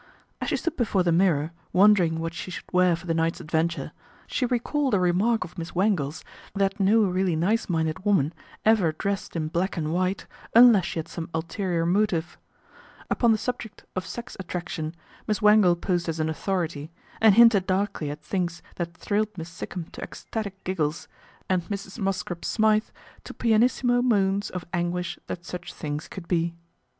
As she stood before the mirror, wondering what she should wear for the night's adventure, she recalled a remark of Miss Wangle's that no really nice minded woman ever dressed in black and white unless she had some ulterior motive. Upon the subject of sex attraction Miss Wangle posed as an authority, and hinted darkly at things that thrilled Miss Sikkum to ecstatic giggles, and Mrs. Mosscrop Smythe to pianissimo moans of anguish that such things could be.